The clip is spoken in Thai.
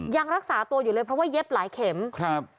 ยังรักษาตัวอยู่เลยเพราะว่าเย็บหลายเข็มครับ